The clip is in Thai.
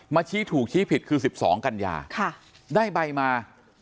มาชี้ถูกชี้ผิดคือสิบสองกัญญาค่ะได้ใบมา